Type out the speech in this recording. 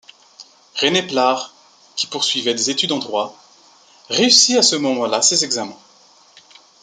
René Plard, qui poursuivait des études en droit, réussit à ce moment-là ses examens.